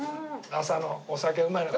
朝のお酒うまいな。